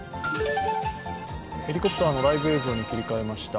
ヘリコプターのライブ映像に切り替えました。